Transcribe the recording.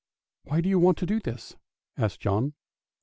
" Why do you want to do this? " asked John.